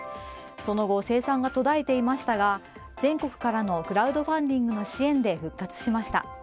その後、生産が途絶えていましたが全国からのクラウドファンディングの支援で復活しました。